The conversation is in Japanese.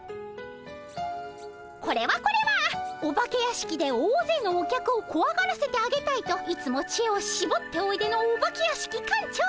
これはこれはお化け屋敷で大勢のお客をこわがらせてあげたいといつも知恵をしぼっておいでのお化け屋敷館長さま。